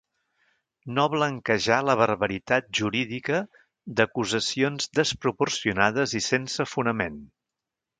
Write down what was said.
No blanquejar la barbaritat jurídica d’acusacions desproporcionades i sense fonament.